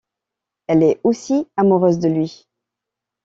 Elle est aussi amoureuse de lui.